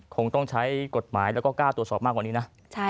คงต้องใช้กฎหมายแล้วก็กล้าตรวจสอบมากกว่านี้นะ